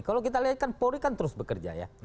kalau kita lihat kan polri kan terus bekerja ya